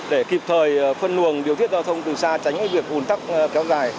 để kịp thời phân luồng điều thiết giao thông từ xa tránh việc ồn tắc kéo dài